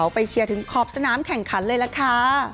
เชียร์ถึงขอบสนามแข่งขันเลยล่ะค่ะ